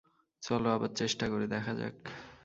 চলো আবার চেষ্টা করে দেখা যাক।